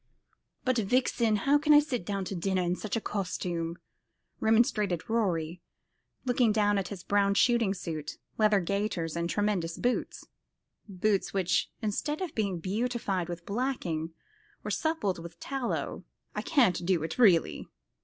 "But, Vixen, how can I sit down to dinner in such a costume," remonstrated Rorie, looking down at his brown shooting suit, leather gaiters, and tremendous boots boots which, instead of being beautified with blacking, were suppled with tallow; "I can't do it, really."